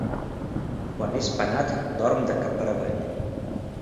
Quan és penat, dorm de cap per avall.